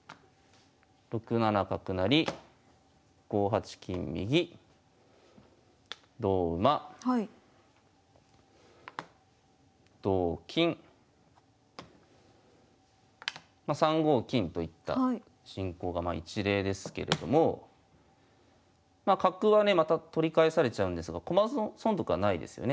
６七角成５八金右同馬同金ま３五金といった進行が一例ですけれども角はねまた取り返されちゃうんですが損得はないですよね。